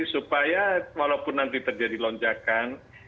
supaya walaupun nanti terjadi lonjakan